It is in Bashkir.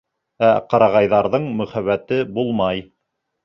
Ә ҡырағайҙарҙың мөхәббәте булмай.